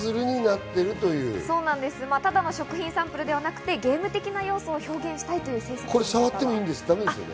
ただの食品サンプルではなく、ゲーム的な要素を表現したいというものです。